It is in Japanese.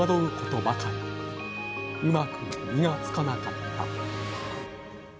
うまく実がつかなかった。